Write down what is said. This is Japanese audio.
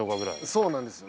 そうなんですよ。